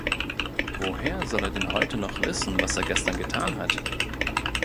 Woher soll er denn heute noch wissen, was er gestern getan hat?